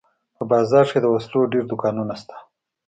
په بازار کښې د وسلو ډېر دوکانونه سته.